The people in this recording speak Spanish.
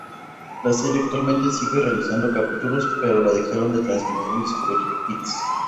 La serie actualmente sigue realizando capítulos, pero la dejaron de transmitir en Discovery Kids.